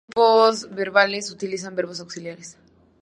Otros tiempos verbales utilizan verbos auxiliares.